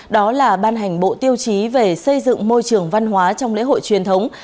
đó là ban hành bộ tiêu chí về xây dựng môi trường văn hóa trong lễ hội truyền thống